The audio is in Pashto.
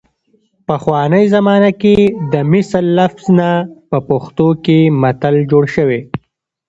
پخوانۍ زمانه کې د مثل لفظ نه په پښتو کې متل جوړ شوی